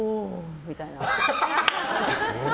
みたいな。